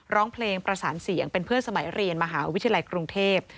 ร้องเพลงประสานเสียงเป็นเพื่อนสมัยเรียนมหาวิทยาลัยกรุงเทพ